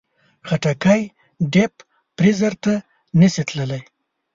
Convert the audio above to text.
خټکی ډیپ فریزر ته نه شي تللی.